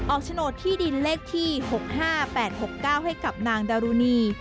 โฉนดที่ดินเลขที่๖๕๘๖๙ให้กับนางดารุณี